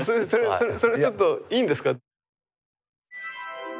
それちょっといいんですか？